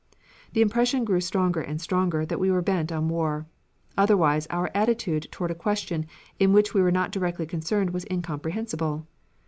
The impression grew stronger and stronger that we were bent on war. Otherwise our attitude toward a question in which we were not directly concerned was incomprehensible.